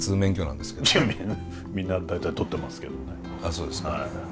そうですか。